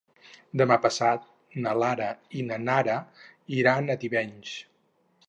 Demà passat na Lara i na Nara iran a Tivenys.